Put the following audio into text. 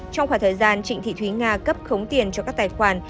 trong khoảng thời gian trịnh thị thúy nga cấp khống tiền cho các tài khoản